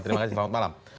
terima kasih selamat malam